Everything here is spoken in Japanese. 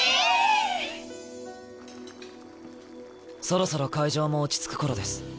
そろそろ会場も落ち着く頃です。